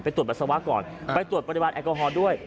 ตรวจปัสสาวะก่อนไปตรวจปริมาณแอลกอฮอล์ด้วย